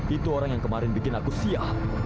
itu orang yang kemarin bikin aku siap